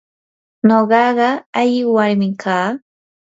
nuqaqa alli warmim kaa.